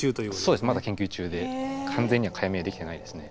そうですまだ研究中で完全には解明できてないですね。